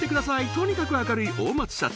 とにかく明るい大松社長